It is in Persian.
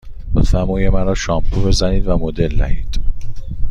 لطفاً موی مرا شامپو بزنید و مدل دهید.